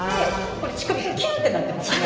これ乳首がキューッてなってますね。